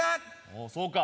おおそうか。